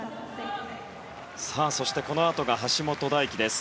そして、このあとは橋本大輝です。